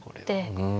うん。